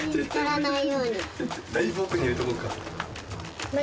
だいぶ奥に入れとこうか。